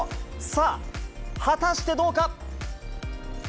さあ、果たしてどうか？